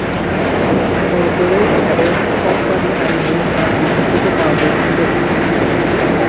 Corporate এবং company আইনে তাঁর বিশেষত পারদর্শিতা ছিল।